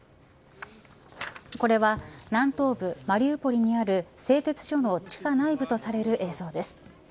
これは南東部マリウポリにある製鉄所の地下内部とされる映像です。